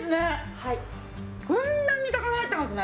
はいふんだんに高菜入ってますね・